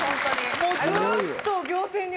もうずっと。